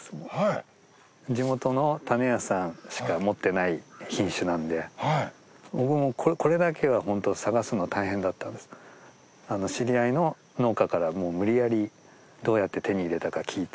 地元の種屋さんしか持ってない品種なんで僕もこれだけはホント知り合いの農家から無理やりどうやって手に入れたか聞いて。